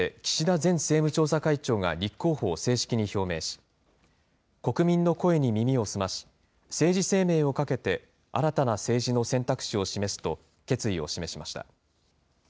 前政務調査会長が立候補を正式に表明し、国民の声に耳を澄まし、政治生命をかけて新たな政治の選択肢を示すと、決意を示しました。